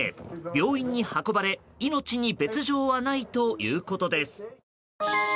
病院に運ばれ命に別条はないということです。